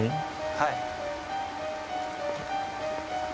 はい。